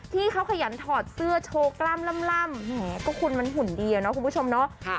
ที่เขาขยันถอดเสื้อโชว์กล้ามล่ำแหมก็คุณมันหุ่นดีอะเนาะคุณผู้ชมเนาะ